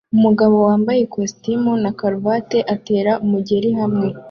Umugabo wambaye ikositimu na karuvati atera umugeri hamwe